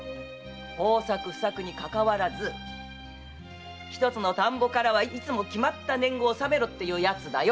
豊作不作にかかわらずひとつの田圃からいつも決まった年貢を納めろっていうやつだよ。